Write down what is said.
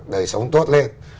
đời sống tốt lên